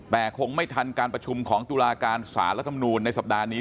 แต่คงไม่ทันการประชุมของตุลาการสารรัฐมนูลในสัปดาห์นี้